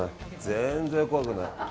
全然怖くない。